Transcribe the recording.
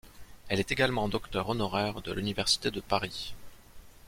Elle est également docteur honoraire de l'Université de Paris.